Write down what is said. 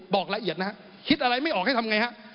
บอกละเอียดนะฮะคิดอะไรไม่ออกให้ทำไงฮะ